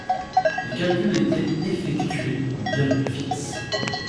Les calculs étaient effectués en virgule fixe.